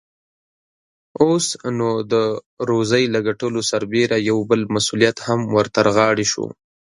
اوس، نو د روزۍ له ګټلو سربېره يو بل مسئوليت هم ور ترغاړې شو.